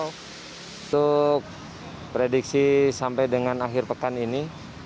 untuk prediksi sampai dengan akhir pekan ini